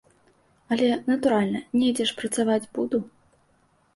Але, натуральна, недзе ж працаваць буду.